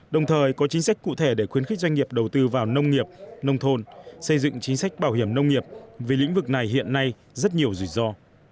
đồng thời có chính sách cụ thể để khuyến khích doanh nghiệp đầu tư vào nông nghiệp nông thôn xây dựng chính sách bảo hiểm nông nghiệp vì lĩnh vực này hiện nay rất nhiều rủi ro